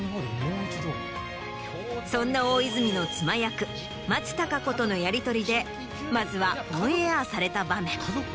そんな大泉の妻役松たか子とのやりとりでまずはオンエアされた場面。